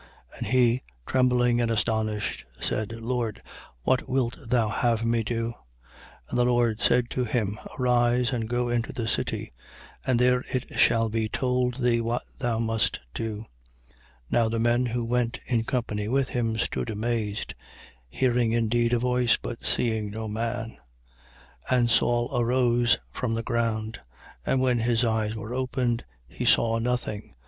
And he, trembling and astonished, said: Lord, what wilt thou have me to do? 9:7. And the Lord said to him: Arise and go into the city; and there it shall be told thee what thou must do. Now the men who went in company with him stood amazed, hearing indeed a voice but seeing no man. 9:8. And Saul arose from the ground: and when his eyes were opened, he saw nothing.